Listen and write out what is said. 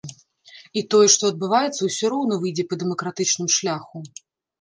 І тое, што адбываецца, усё роўна выйдзе па дэмакратычным шляху.